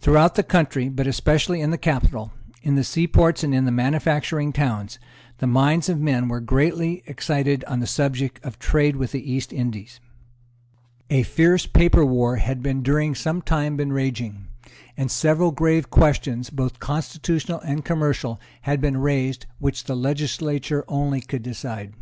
Throughout the country, but especially in the capital, in the seaports and in the manufacturing towns, the minds of men were greatly excited on the subject of the trade with the East Indies; a fierce paper war had during some time been raging; and several grave questions, both constitutional and commercial, had been raised, which the legislature only could decide.